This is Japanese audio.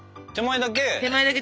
手前だけ。